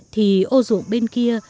thì ô ruộng bên kia